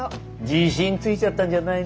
自信ついちゃったんじゃないの？